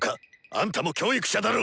あんたも教育者だろ！